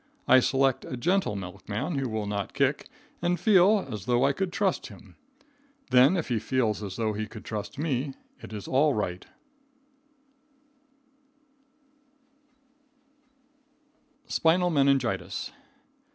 I select a gentle milkman who will not kick, and feel as though I could trust him. Then, if he feels as though he could trust me, it is all right. [Illustration: THE WILD COW.] Spinal Meningitis.